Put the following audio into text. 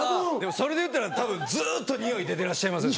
それでいったらたぶんずっと匂い出てらっしゃいますよ。